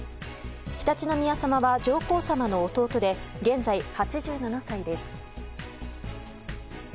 常陸宮さまは、上皇さまの弟で現在、８７歳です。